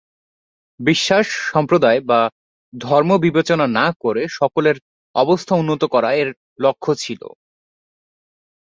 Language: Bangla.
বিশ্বাস, সম্প্রদায় বা ধর্ম বিবেচনা না করে সকলের অবস্থা উন্নত করা এর লক্ষ্য ছিল।